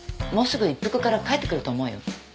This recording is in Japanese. もうすぐ一服から帰ってくると思うよ。